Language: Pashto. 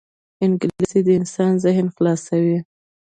انګلیسي د انسان ذهن خلاصوي